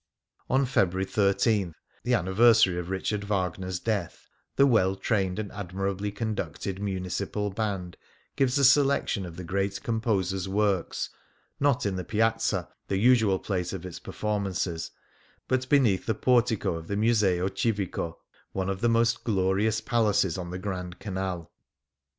On February 13, the anniversary of Richard Wag ner's death, the well trained and admirably conducted Municipal Band gives a selection of the great composer's works, not in the Piazzii, the usual place of its performances, but beneath the portico of the Museo Civico, one of the most glorious palaces on the Grand Canal.